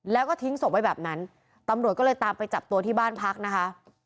แล้วก็ทิ้งศพไว้แบบนั้นตำรวจก็เลยตามไปจับตัวที่บ้านพักนะคะ